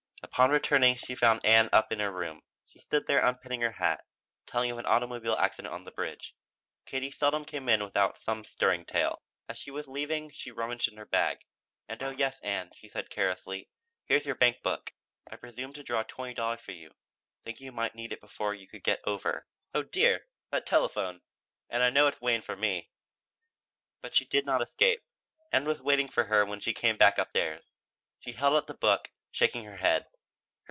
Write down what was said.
Upon returning she found Ann up in her room. She stood there unpinning her hat, telling of an automobile accident on the bridge Katie seldom came in without some stirring tale. As she was leaving she rummaged in her bag. "And oh yes, Ann," she said, carelessly, "here's your bank book. I presumed to draw twenty dollars for you, thinking you might need it before you could get over. Oh dear that telephone! And I know it's Wayne for me." But she did not escape. Ann was waiting for her when she came back up stairs. She held out the book, shaking her head.